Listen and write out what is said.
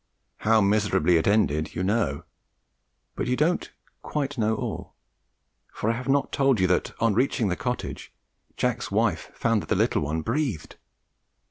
How miserably it ended you now know; but you don't know quite all, for I have not told you that, on reaching their cottage, Jack's wife found that the little one breathed.